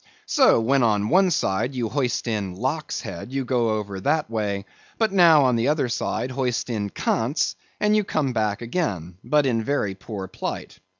So, when on one side you hoist in Locke's head, you go over that way; but now, on the other side, hoist in Kant's and you come back again; but in very poor plight.